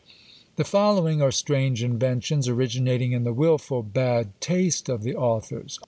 The following are strange inventions, originating in the wilful bad taste of the authors.